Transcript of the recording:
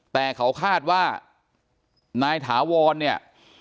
แต่เขาคาดว่านายถาวรเนี่ย